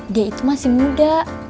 dia itu masih muda